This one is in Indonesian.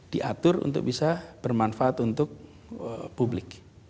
diatur untuk bisa bermanfaat untuk publik